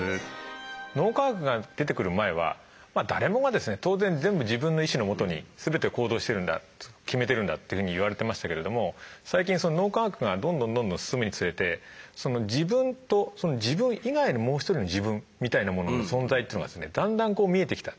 脳科学が出てくる前は誰もがですね当然全部自分の意志のもとに全て行動してるんだって決めてるんだっていうふうに言われてましたけれども最近脳科学がどんどんどんどん進むにつれて自分と自分以外の「もう１人の自分」みたいなものの存在っていうのがだんだん見えてきた。